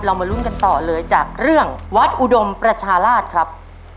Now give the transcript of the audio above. มาลุ้นกันต่อเลยจากเรื่องวัดอุดมประชาราชครับ